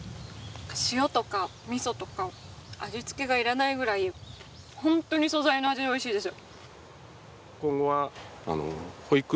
塩とかみそとか味つけが要らないくらい、本当に素材の味がおいしいです。